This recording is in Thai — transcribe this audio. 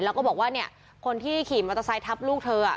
แล้วก็บอกว่าเนี่ยคนที่ขี่มอเตอร์ไซค์ทับลูกเธอ